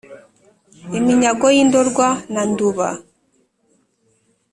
iminyago yi ndorwa na nduba